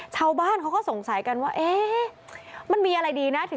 ชาวบ้านเขาก็สงสัยกันว่าเอ๊ะมันมีอะไรดีนะ